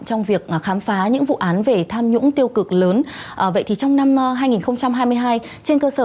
trong việc khám phá những vụ án về tham nhũng tiêu cực lớn vậy thì trong năm hai nghìn hai mươi hai trên cơ sở